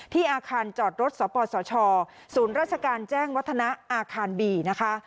อาคารจอดรถสปสชศูนย์ราชการแจ้งวัฒนาอาคารบีนะคะ